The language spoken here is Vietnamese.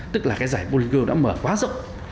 tức là cái giải bollinger đã mở quá rộng